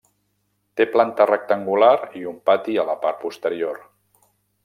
Té planta rectangular i un pati a la part posterior.